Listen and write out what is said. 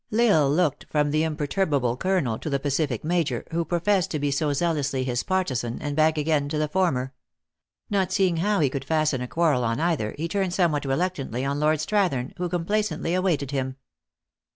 L lsle looked from the imperturbable colonel to the pacific major, who professed to be so zealously his partisan, and back again to the former. Not see ing how he could fasten a quarrel on either, he turned somewhat reluctantly on Lord Strathern, who com placently awaited him.